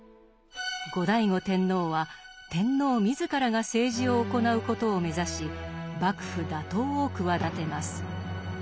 後醍醐天皇は天皇自らが政治を行うことを目指し幕府打倒を企てます。